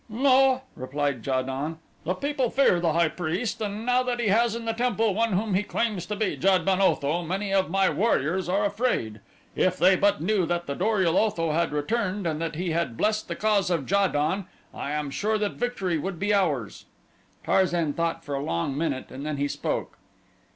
"No," replied Ja don. "The people fear the high priest and now that he has in the temple one whom he claims to be Jad ben Otho many of my warriors are afraid. If they but knew that the Dor ul Otho had returned and that he had blessed the cause of Ja don I am sure that victory would be ours." Tarzan thought for a long minute and then he spoke.